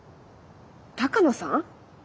鷹野さん？